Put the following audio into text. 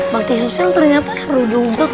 makin susah ternyata seru juga